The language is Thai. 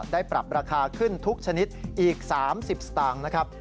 ปรับราคาขึ้นทุกชนิดอีก๓๐สตางค์นะครับ